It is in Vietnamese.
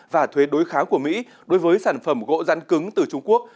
và thuế đối kháng của mỹ đối với sản phẩm gỗ rán cứng từ trung quốc